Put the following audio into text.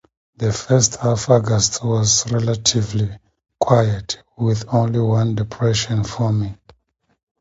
The first half August was relatively quiet, with only one depression forming.